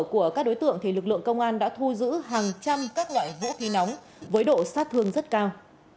của các đối tượng lực lượng công an đã thu giữ hàng trăm các loại vũ khí nóng với độ sát thương rất cao